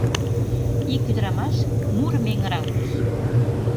Ик ӱдырамаш мурым эҥыралтыш.